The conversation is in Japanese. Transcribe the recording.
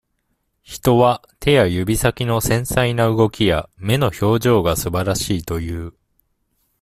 人は、手や指先の繊細な動きや、目の表情がすばらしいという。